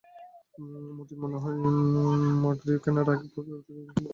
মতির মনে হয় মাকড়ি কেনার আগে প্রবীর তাকেই কিনিয়া ফেলিয়াছে!